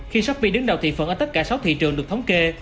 khi shopee đứng đầu thị phần ở tất cả sáu thị trường được thống kê